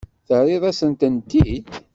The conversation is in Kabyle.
Terriḍ-asent-tent-id?